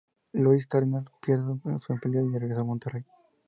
Louis Cardinals, pierde su empleo y regresa a Monterrey.